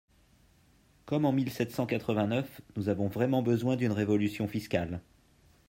Comme en mille sept cent quatre-vingt-neuf, nous avons vraiment besoin d’une révolution fiscale.